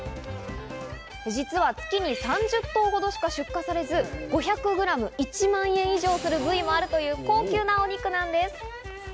実は月に３０頭ほどしか出荷されず、５００グラム１万円以上する部位もあるという、高級なお肉なんです。